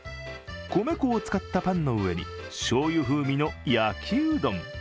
米粉を使ったパンの上にしょうゆ風味の焼きうどん